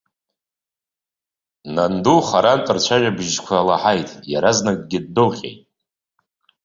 Нанду харантә рцәажәашьҭыбжьқәа лаҳаит, иаразнакгьы ддәылҟьеит.